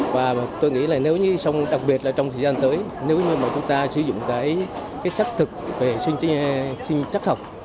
và tôi nghĩ nếu như xong đặc biệt trong thời gian tới nếu như chúng ta sử dụng sách thực về sinh trách học